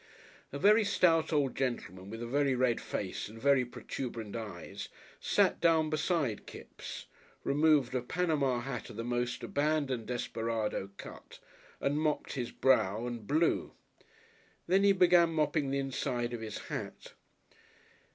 A very stout old gentleman, with a very red face and very protuberant eyes, sat down beside Kipps, removed a Panama hat of the most abandoned desperado cut, and mopped his brow and blew. Then he began mopping the inside of his hat.